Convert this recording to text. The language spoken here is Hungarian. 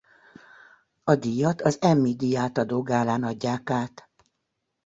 A díjat az Emmy díjátadó gálán adják át.